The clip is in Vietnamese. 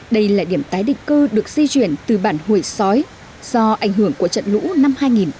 đây là điểm tái định cư được di chuyển từ bản hủy sói do ảnh hưởng của trận lũ năm hai nghìn một mươi